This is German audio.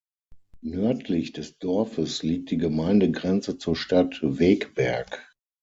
Nördlich des Dorfes liegt die Gemeindegrenze zur Stadt Wegberg.